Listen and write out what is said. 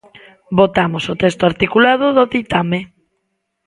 Votamos o texto articulado do ditame.